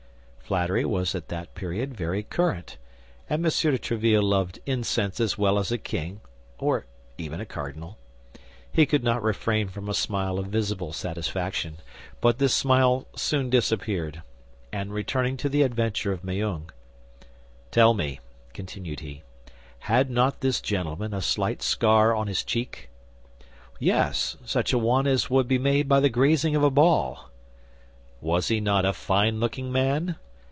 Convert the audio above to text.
Flattery was at that period very current, and M. de Tréville loved incense as well as a king, or even a cardinal. He could not refrain from a smile of visible satisfaction; but this smile soon disappeared, and returning to the adventure of Meung, "Tell me," continued he, "had not this gentlemen a slight scar on his cheek?" "Yes, such a one as would be made by the grazing of a ball." "Was he not a fine looking man?"